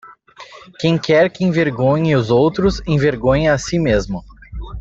Quem quer que envergonhe os outros, envergonha a si mesmo.